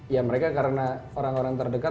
ya mereka karena orang orang terdekat